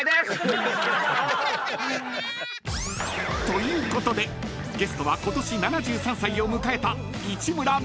［ということでゲストはことし７３歳を迎えた］